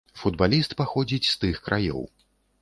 Футбаліст паходзіць з тых краёў.